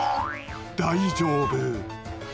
大丈夫。